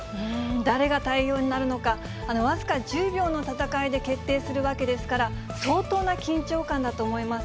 誰が代表になるのか、僅か１０秒の戦いで決定するわけですから、相当な緊張感だと思います。